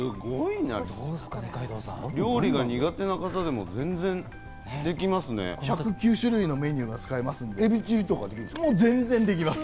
料理が苦手な方でも全然でき１０９種類のメニューができます。